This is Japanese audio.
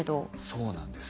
そうなんです。